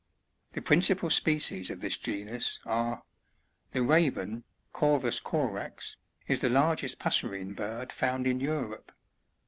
The principal species of this genus are : 72. The Raven, — Corvus corax, — Is the largest passerine bird found in Europe.